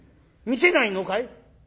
見せないのかい？